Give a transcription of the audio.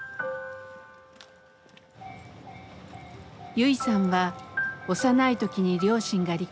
ユイさんは幼い時に両親が離婚。